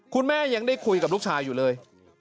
คุณแม่ยังได้คุยกับลูกชายอยู่เลย